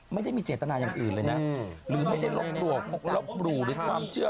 ไม่ได้มีเจตนาอย่างอื่นเลยนะหรือไม่ได้ลบหลู่ลบหลู่หรือความเชื่อ